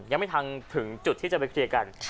ยังไม่ทันถึงจุดที่จะไปเคลียร์กัน